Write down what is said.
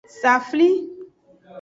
Safli.